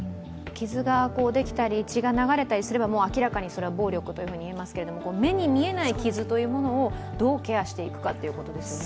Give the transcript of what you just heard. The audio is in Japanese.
傷ができたり、血が流れたりすれば明らかにそれはそれは暴力といえますけれども、目に見えない傷をどうケアしていくかということですよね。